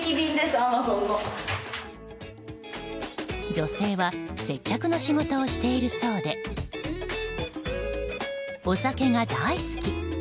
女性は接客の仕事をしているそうでお酒が大好き。